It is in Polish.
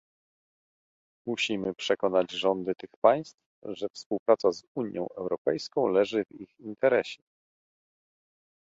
Musimy przekonać rządy tych państw, że współpraca z Unią Europejską leży w ich interesie